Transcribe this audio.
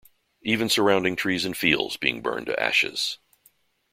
Even surrounding trees and fields being burned to ashes.